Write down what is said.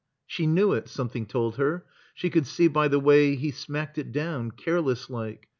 She knew it, something told her; she could see by the way he smacked it down, careless like.